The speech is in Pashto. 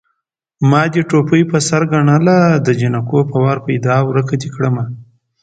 ما دې ټوپۍ په سر ګڼله د جنکو په وار پيدا ورکه دې کړمه